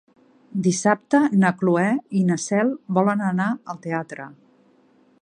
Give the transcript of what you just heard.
Dissabte na Cloè i na Cel volen anar al teatre.